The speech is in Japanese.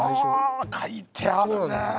書いてあるね！